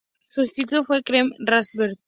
Su sustituto fue Kenny Robertson.